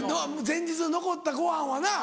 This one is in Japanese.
前日の残ったご飯はな。